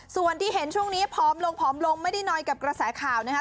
ส่วนที่เห็นช่วงนี้พร้อมลงไม่ได้นอยกับกระแสขาวนะคะ